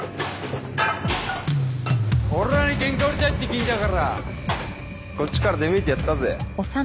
俺らにケンカ売りたいって聞いたからこっちから出向いてやったぜ。